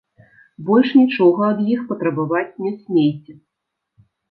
Больш нічога ад іх патрабаваць не смейце!